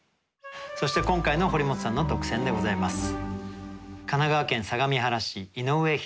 そして今回の堀本さんの特選でございます。